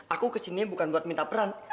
aku kesini bukan buat minta peran